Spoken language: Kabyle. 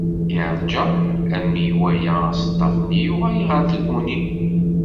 Yerğa armi iwala aseṭṭaf-nni yuɣal ɣer tguni.